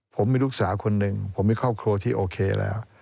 ผมมีลูกสาวคนหนึ่งผมมีครอบครัวที่โอเคแล้ว